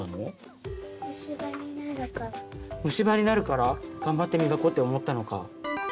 虫歯になるからがんばって磨こうって思ったのか。